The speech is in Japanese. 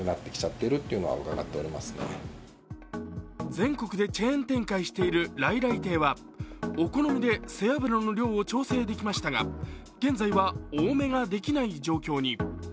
全国でチェーン展開している来来亭はお好みで背脂の量を調整できましたが、現在は、多めができない状況に。